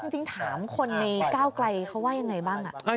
จริงถามคนในก้าวไกลเขาว่ายังไงบ้าง